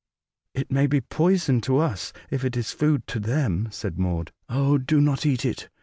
'*'It may be poison to us, if it is food to them," said Maude. ''Oh, do not eat it.